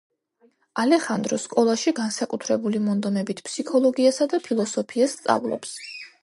ალეხანდრო სკოლაში განსაკუთრებული მონდომებით ფსიქოლოგიასა და ფილოსოფიას სწავლობს.